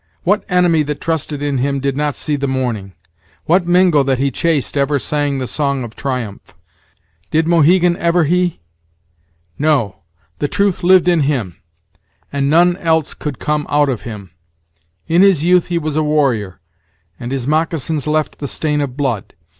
What enemy that trusted in him did not see the morning? What Mingo that he chased ever sang the song of triumph? Did Mohegan ever he? No; the truth lived in him, and none else could come out of him. In his youth he was a warrior, and his moccasins left the stain of blood.